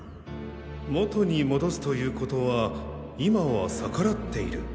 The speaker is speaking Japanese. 元に戻すという事は今は逆らっている。